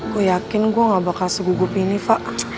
gue yakin gue gak bakal se gugupin nih fah